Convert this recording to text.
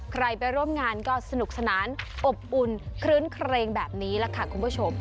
ไปร่วมงานก็สนุกสนานอบอุ่นคลื้นเครงแบบนี้แหละค่ะคุณผู้ชม